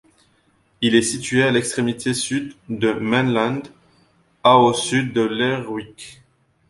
Il est situé à l'extrémité sud de Mainland, à au sud de Lerwick.